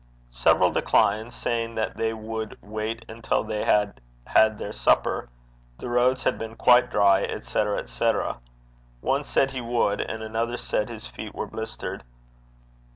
Several declined, saying they would wait until they had had their supper; the roads had been quite dry, &c., &c. One said he would, and another said his feet were blistered.